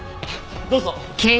どうぞ。